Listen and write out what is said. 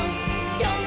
ぴょん！